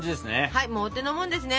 はいもうお手のもんですね。